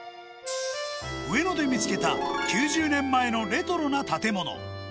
上野で見つけた、９０年前のレトロな建物。